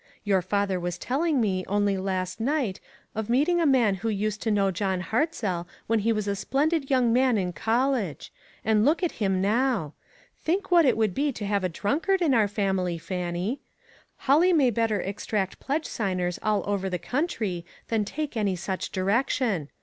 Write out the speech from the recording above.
Your father was telling me, only last night, of meeting a man who used to know John Hartzell when he was a splendid young man in college. And look at him now! Think what it would be to have a drunkard in our family, Fannie. Holly may better ex tract pledge signers all over the country than take any such direction.